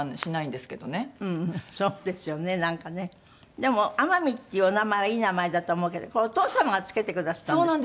でも天海っていうお名前はいい名前だと思うけどこれお父様がつけてくだすったんですって？